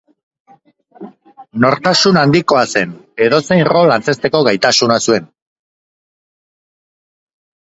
Nortasun handikoa zen: edozein rol antzezteko gaitasuna zuen.